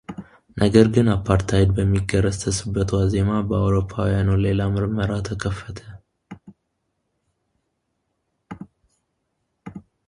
ነገር ግን አፓርታይድ በሚገረሰስበት ዋዜማ በአውሮፓውያኑ ሌላ ምርመራ ተከፈተ።